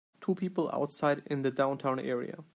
Two people outside in the downtown area.